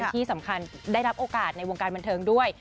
ที่สำคัญได้รับโอกาสในวงการบันเทิงด้วย